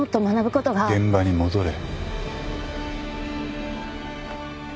現場に戻れ。